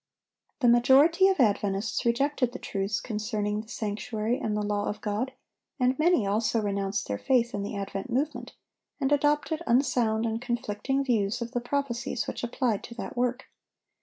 The majority of Adventists rejected the truths concerning the sanctuary and the law of God, and many also renounced their faith in the Advent Movement, and adopted unsound and conflicting views of the prophecies which applied to that work.